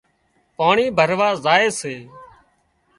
پاڻي ڀراوا زائي سي